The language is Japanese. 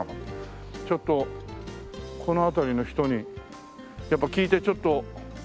ちょっとこの辺りの人にやっぱ聞いてちょっと。